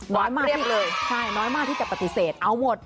น้อยมากที่จะปฏิเสธเอาหมด